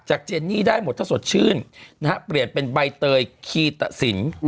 เจนนี่ได้หมดถ้าสดชื่นนะฮะเปลี่ยนเป็นใบเตยคีตะสิน